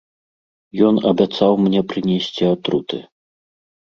Ён абяцаў мне прынесці атруты!